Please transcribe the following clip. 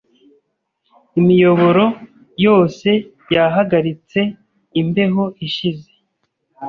Imiyoboro yose yahagaritse imbeho ishize.